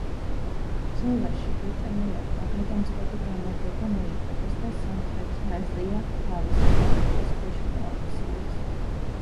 ბრძოლაში ბრიტანელებმა გადამწყვეტი გამარჯვება მოიპოვეს და სამხრეთი აზია თავისი კონტროლის ქვეშ მოაქციეს.